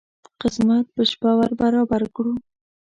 قسمت په شپه ور برابر کړو.